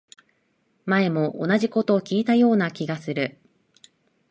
前も同じこと聞いたような気がする